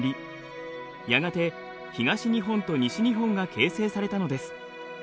やがて東日本と西日本が形成されたのです。